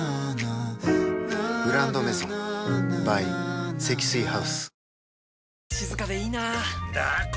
「グランドメゾン」ｂｙ 積水ハウス